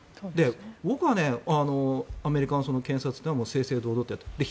僕はアメリカの検察っていうのは正々堂々やるべきだと。